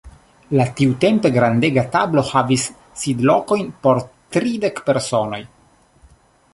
La tiutempe grandega tablo havis sidlokojn por tridek personoj.